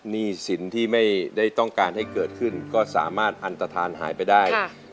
หนี้สินที่ไม่ได้ต้องการให้เกิดขึ้นก็สามารถอันตฐานหายไปได้